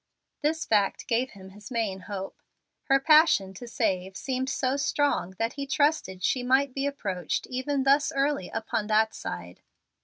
This fact gave him his main hope. Her passion to save seemed so strong that he trusted she might be approached even thus early upon that side.